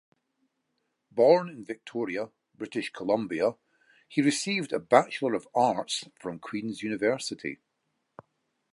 Born in Victoria, British Columbia, he received a Bachelor of Arts from Queen's University.